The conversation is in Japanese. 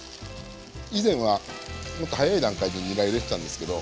以前はもっと早い段階でにら入れてたんですけど